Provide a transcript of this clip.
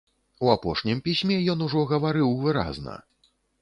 У апошнім пісьме ён ужо гаварыў выразна.